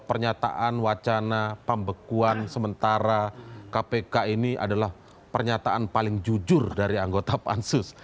pernyataan wacana pembekuan sementara kpk ini adalah pernyataan paling jujur dari anggota pansus